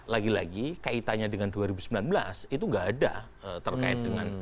lagi lagi kaitannya dengan dua ribu sembilan belas itu nggak ada terkait dengan